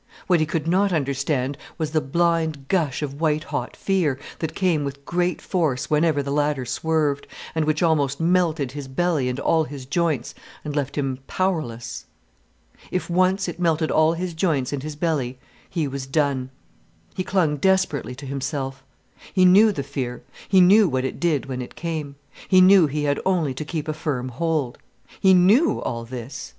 What he could not understand was the blind gush of white hot fear, that came with great force whenever the ladder swerved, and which almost melted his belly and all his joints, and left him powerless. If once it melted all his joints and his belly, he was done. He clung desperately to himself. He knew the fear, he knew what it did when it came, he knew he had only to keep a firm hold. He knew all this.